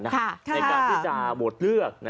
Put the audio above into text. ในการที่จะโหวตเลือก